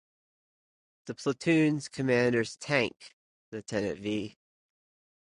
The platoon commander's tank, Lt.V.